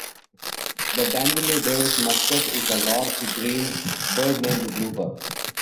The Danville Braves mascot is a large, green bird named Blooper.